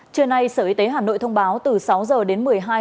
trưa nay sở y tế hà nội thông báo từ sáu h đến một mươi hai h